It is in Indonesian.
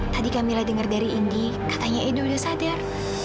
tadi camillah dengar dari indi katanya edo udah sadar